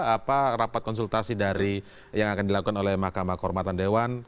apa rapat konsultasi dari yang akan dilakukan oleh mahkamah kehormatan dewan